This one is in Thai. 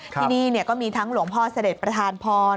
ที่นี่ก็มีทั้งหลวงพ่อเสด็จประธานพร